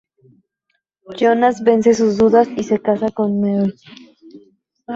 Jonas vence sus dudas y se casa con Mary.